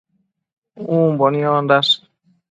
Umbo niondash